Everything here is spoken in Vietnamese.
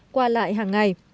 qua lại hàng ngày